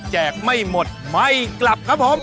ไม่หมดไม่กลับครับผม